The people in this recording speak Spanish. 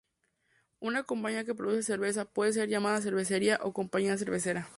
Una compañía que produce cerveza puede ser llamada cervecería o compañía cervecera.